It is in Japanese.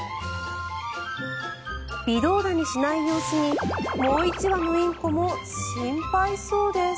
微動だにしない様子にもう１羽のインコも心配そうです。